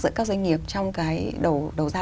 giữa các doanh nghiệp trong cái đầu ra